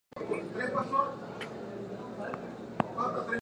La temporada se dividirá en dos torneos.